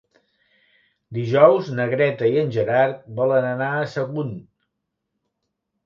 Dijous na Greta i en Gerard volen anar a Sagunt.